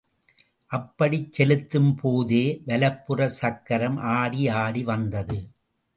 அப்படிச் செலுத்தும் போதே வலப்புறச் சக்கரம் ஆடி ஆடி வந்தது.